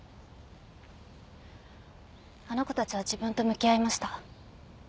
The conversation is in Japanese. あの子たちは自分と向き合いました。